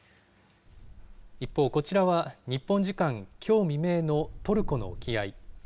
一方、こちらは日本時間きょう未明のトルコの沖合。